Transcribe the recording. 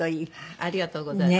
ありがとうございます。